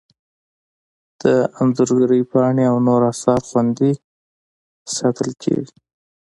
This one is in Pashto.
د انځورګرۍ پاڼې او نور اثار خوندي ساتل کیږي.